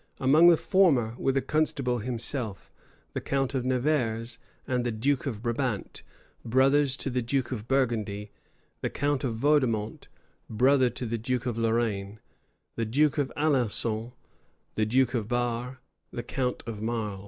Among the former were the constable himself, the count of Nevers and the duke of Brabant, brothers to the duke of Burgundy; the count of Vaudemont, brother to the duke of Lorraine, the duke of Alençon, the duke of Barre, the count of Marle.